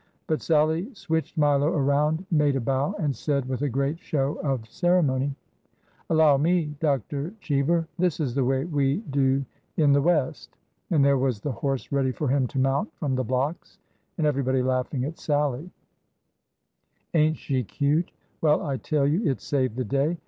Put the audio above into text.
But Sallie switched Milo around, made a bow, and said with a great show of ceremony :^ Allow me. Dr. Cheever 1 This is the way v/e do in the West.' And there was the horse ready for him to mount from the blocks, and everybody laughing at Sallie. Ain't she cute? Well, I tell you, it saved the day!